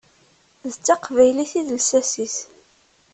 D taqbaylit i d lsas-is.